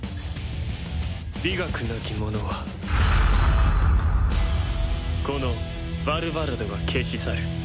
美学なき者はこのヴァルバラドが消し去る。